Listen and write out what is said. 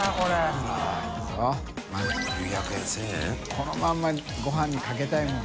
このままご飯にかけたいもん。